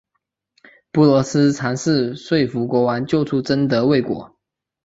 布罗斯尝试说服国王救出贞德未果。